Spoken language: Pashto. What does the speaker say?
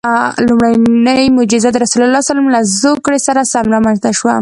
لومړنۍ معجزه یې د رسول الله له زوکړې سره سم رامنځته شوه.